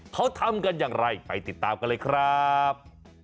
เขาทำกันอย่างไรไปติดตามกันเลยครับ